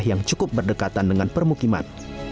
yang cukup berdekatan dengan permukiman